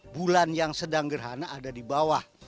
bulan yang sedang gerhana ada di bawah